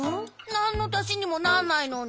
なんのたしにもなんないのに。